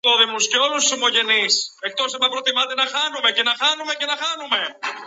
Ας τον πλύνουν πρώτα, ας τον καθαρίσουν, κι έπειτα βλέπομε